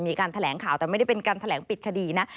มีการแถลงข่าวแต่ไม่ได้เป็นการแถลงปิดคดีนะ